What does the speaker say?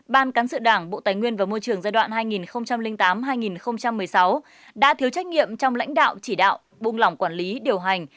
ban cán sự đảng bộ tài nguyên và môi trường giai đoạn hai nghìn tám hai nghìn một mươi sáu đã thiếu trách nhiệm trong lãnh đạo chỉ đạo bung lỏng quản lý điều hành